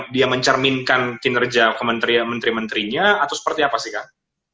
dia mencerminkan kinerja menteri menterinya atau seperti apa sih kang